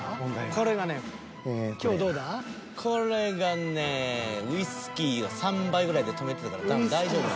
［これがねウイスキーを３杯ぐらいで止めてたから多分大丈夫］